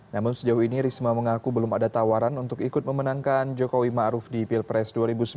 namun sejauh ini risma mengaku belum ada tawaran untuk ikut memenangkan jokowi ⁇ maruf ⁇ di pilpres dua ribu sembilan belas